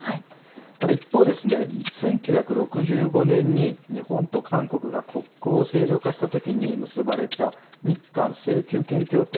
ただ、一方ですね１９６５年に日本と韓国が国交正常化した時に結ばれた日韓請求権協定。